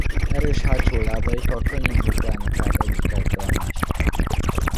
Erős hátsó lábaikkal könnyen ugrálnak át egyik ágról a másikra.